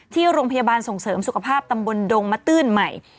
ที่โรงพยาบาลส่งเสริมสุขภาพตำบลดงมาตื้นใหม่